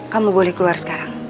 kamu boleh keluar sekarang